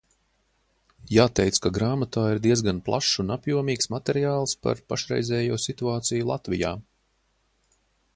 Jāteic, ka grāmatā ir diezgan plašs un apjomīgs materiāls par pašreizējo situāciju Latvijā.